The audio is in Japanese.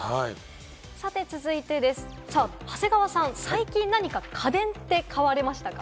さて続いてですが、長谷川さん最近何か家電、買われましたか？